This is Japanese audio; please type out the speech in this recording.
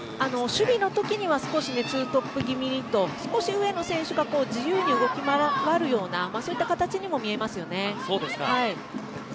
守備のときには少し２トップぎみにと上野選手が自由に動き回るようなそういった形にも見えますよね。